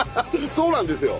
そうなんですよ。